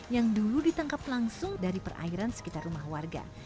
yang dulu ditangkap langsung dari perairan sekitar rumah warga